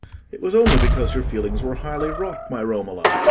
"It was only because your feelings were highly wrought, my Romola.